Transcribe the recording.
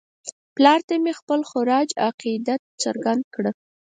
پلار ته مې یې خپل خراج عقیدت څرګند کړ.